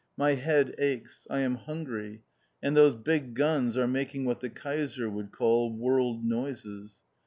My head aches! I am hungry; and those big guns are making what the Kaiser would call World Noises.